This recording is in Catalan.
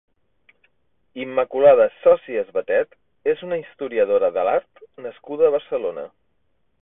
Immaculada Socias Batet és una historiadora de l'art nascuda a Barcelona.